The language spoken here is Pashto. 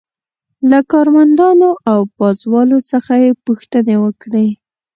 له کارمندانو او پازوالو څخه یې پوښتنې وکړې.